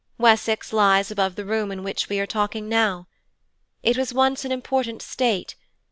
Wessex lies above the room in which we are talking now. It was once an important state.